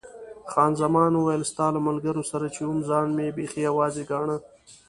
خان زمان وویل، ستا له ملګرو سره چې وم ځان مې بیخي یوازې ګاڼه.